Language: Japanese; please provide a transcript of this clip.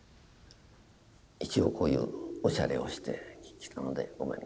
一応こういうおしゃれをしてきたのでごめんなさい。